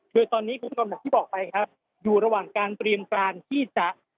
คือตอนนี้คุณผู้ชมอย่างที่บอกไปครับอยู่ระหว่างการเตรียมการที่จะ